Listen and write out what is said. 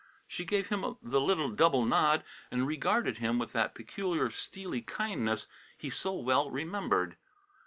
She gave him the little double nod and regarded him with that peculiar steely kindness he so well remembered.